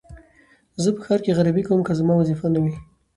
زه په ښار کې غريبي کوم که زما وظيفه نه وى.